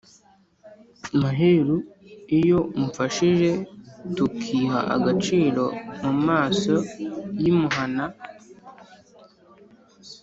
Maheru iyo umfashije Tukiha agaciro Mu maso y’i Muhana!